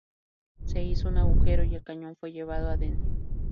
Se hizo un agujero y el cañón fue llevado adentro.